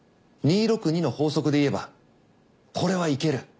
２・６・２の法則で言えばこれはいける。